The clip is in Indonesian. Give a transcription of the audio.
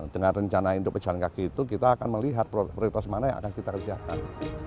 dengan rencana indopen jalan kaki itu kita akan melihat proyek proyek pas mana yang akan kita kerjakan